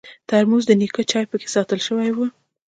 ترموز د نیکه چای پکې ساتل شوی وي.